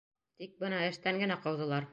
Тик бына эштән генә ҡыуҙылар...